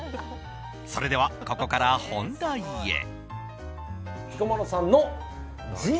それでは、ここから本題へ。